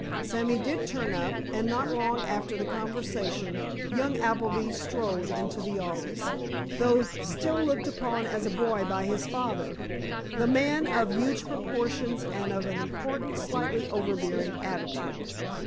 Sammy did turn up, and not long after the conversation young Appleby strolled into the office. Though still looked upon as a boy by his father, the man was of huge proportions and of an important, slightly overbearing attitude.